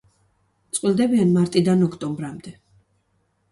წყვილდებიან მარტიდან ოქტომბრამდე.